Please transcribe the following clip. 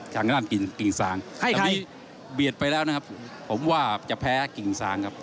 ทางด้านกิ่งกิ่งซางตอนนี้เบียดไปแล้วนะครับผมว่าจะแพ้กิ่งซางครับ